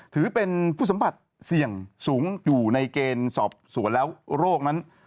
ถือเป็นผู้สัมผัสเสี่ยงสูงอยู่ในเกณฑ์สอบสวนแล้วโรคนั้น